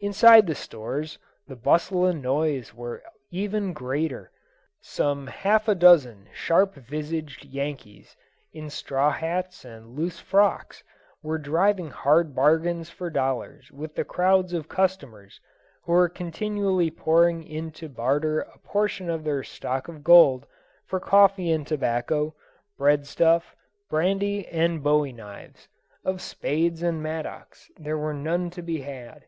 Inside the stores the bustle and noise were oven greater. Some half a dozen sharp visaged Yankees, in straw hats and loose frocks, were driving hard bargains for dollars with the crowds of customers who were continually pouring in to barter a portion of their stock of gold for coffee and tobacco, breadstuff, brandy, and bowie knives: of spades and mattocks there were none to be had.